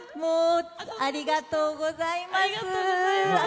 ありがとうございます。